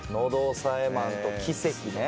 喉押さえマンと奇跡ね。